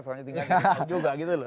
soalnya tinggal di jawa gitu loh